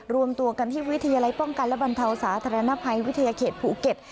รวมตัวกันที่วิทยาลัยป้องกันและบรรเทาสาธารณภัยวิทยาเขตภูเก็ต